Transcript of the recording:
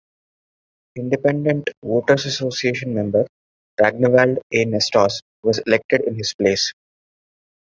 Independent Voters Association member Ragnvald A. Nestos was elected in his place.